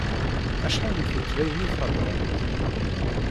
Acḥal n tutlayin i theddṛemt?